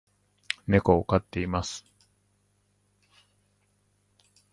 猫を飼っています